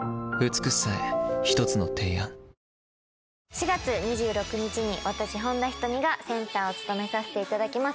４月２６日に私本田仁美がセンターを務めさせていただきます